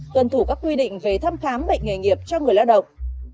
tuân thủ các quy định về thăm khám bệnh nghề nghiệp cho người lao động